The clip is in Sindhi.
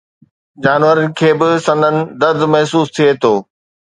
جانورن کي به سندن درد محسوس ٿئي ٿو